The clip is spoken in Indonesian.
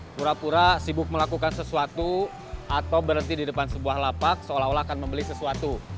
pura pura sibuk melakukan sesuatu atau berhenti di depan sebuah lapak seolah olah akan membeli sesuatu